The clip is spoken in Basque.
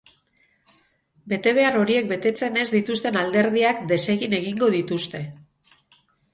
Betebehar horiek betetzen ez dituzten alderdiak desegin egingo dituzte.